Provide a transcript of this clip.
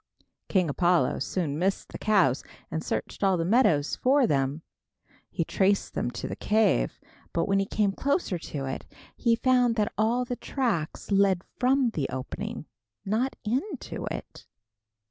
King Apollo soon missed the cows and searched all the meadow for them. He traced them to the cave, but when he came closer to it, he found that all the tracks led from the opening, not into it.